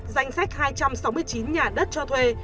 danh sách hai trăm sáu mươi chín nhà đất cho thuê